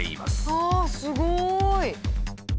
ああすごい！